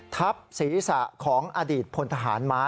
ทับศีรษะของอดีตพลทหารม้า